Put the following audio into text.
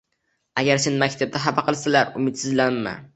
• Agar seni maktabda xafa qilsalar, umidsizlanma.